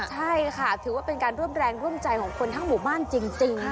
ใช่ค่ะถือว่าเป็นการร่วมแรงร่วมใจของคนทั้งหมู่บ้านจริง